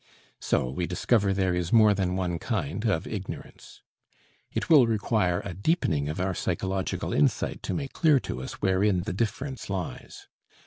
So we discover there is more than one kind of ignorance. It will require a deepening of our psychological insight to make clear to us wherein the difference lies.